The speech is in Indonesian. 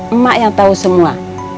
emak yang tau semua